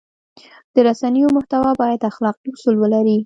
د رسنیو محتوا باید اخلاقي اصول ولري.